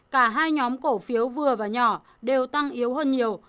cả hai nhóm cổ phiếu vừa và nhỏ đều tăng yếu hơn nhiều